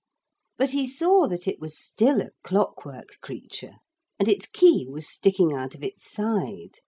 But he saw that it was still a clockwork creature. And its key was sticking out of its side.